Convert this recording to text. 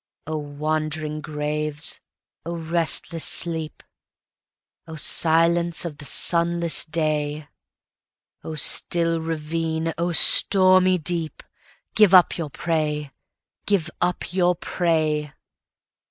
O wandering graves! O restless sleep!O silence of the sunless day!O still ravine! O stormy deep! Give up your prey! Give up your prey!